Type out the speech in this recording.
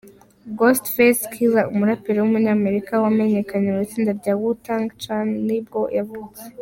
Ghostface Killah, umuraperi w’umunyamerika wamenyekanye mu itsinda rya Wu Tang Clannibwo yavutse.